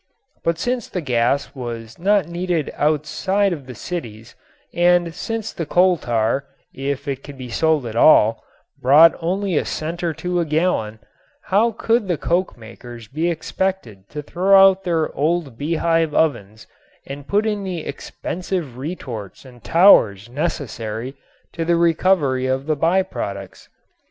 But since the gas was not needed outside of the cities and since the coal tar, if it could be sold at all, brought only a cent or two a gallon, how could the coke makers be expected to throw out their old bee hive ovens and put in the expensive retorts and towers necessary to the recovery of the by products?